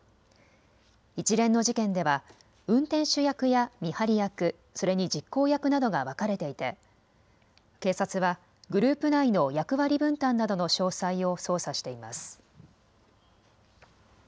一連の事件では運転手役や見張り役、それに実行役などが分かれていて警察はグループ内の役割分担などの詳細を捜査しています。